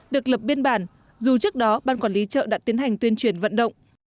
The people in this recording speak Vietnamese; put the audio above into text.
được lập biên bản dù trước đó ban quản lý chợ đã tiến hành tuyên truyền vận động